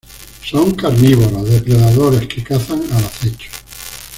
Son carnívoros, depredadores que cazan al acecho.